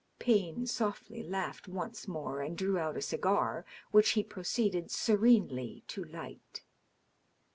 Payne softly laughed once more, and drew out a cigar, which he proceeded serenely to light.